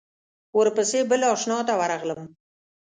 ورپسې بل آشنا ته ورغلم.